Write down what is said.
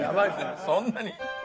そんなに？